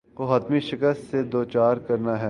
کو حتمی شکست سے دوچار کرنا ہے۔